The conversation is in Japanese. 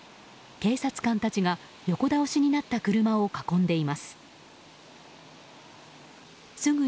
警察官たちが横倒しになった車を囲んでいます。